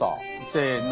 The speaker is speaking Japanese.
せの。